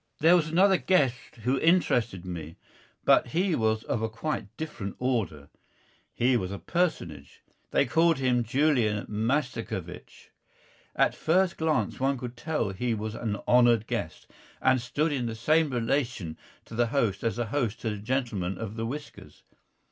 There was another guest who interested me. But he was of quite a different order. He was a personage. They called him Julian Mastakovich. At first glance one could tell he was an honoured guest and stood in the same relation to the host as the host to the gentleman of the whiskers.